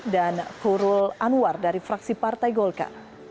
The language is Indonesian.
dan kurul anwar dari fraksi partai golka